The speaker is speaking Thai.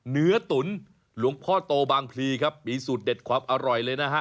ตุ๋นหลวงพ่อโตบางพลีครับมีสูตรเด็ดความอร่อยเลยนะฮะ